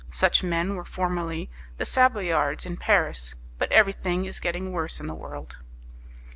Such men were formerly the Savoyards, in Paris; but everything is getting worse in this world.